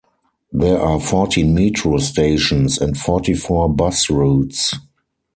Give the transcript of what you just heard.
There are fourteen Metro stations and forty four bus routes.